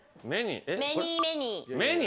メニーメニー。